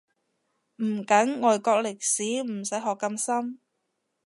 唔緊，外國歷史唔使學咁深